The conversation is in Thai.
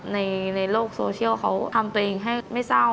ในโลกโซเชียลเขาทำตัวเองให้ไม่เศร้า